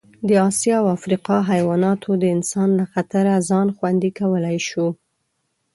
د اسیا او افریقا حیواناتو د انسان له خطره ځان خوندي کولی شو.